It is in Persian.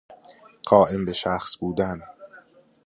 قائم به شخص بودن